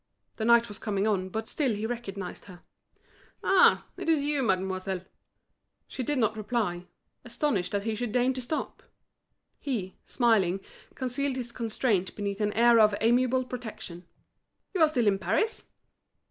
The night was coming on, but still he recognised her. "Ah, it's you, mademoiselle!" She did not reply, astonished that he should deign to stop. He, smiling, concealed his constraint beneath an air of amiable protection. "You are still in Paris?"